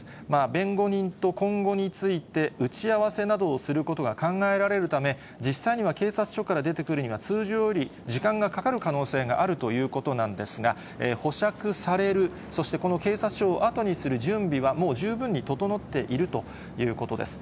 弁護人と今後について打ち合わせなどをすることが考えられるため、実際には警察署から出てくるには通常より時間がかかる可能性があるということなんですが、保釈される、そしてこの警察署を後にする準備は、もう十分に整っているということです。